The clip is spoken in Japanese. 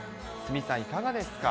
鷲見さん、いかがですか。